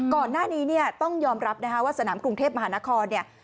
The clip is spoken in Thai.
ก่อนหน้านี้ต้องยอมรับว่าสนามกรุงเทพฯมหานคร